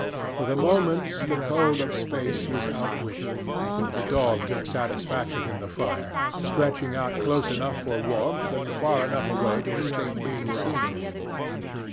For the moment the cold of space was outwitted. The dog took satisfaction in the fire, stretching out close enough for warmth and far enough away to escape being singed.